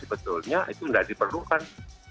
betulnya itu tidak diperlukan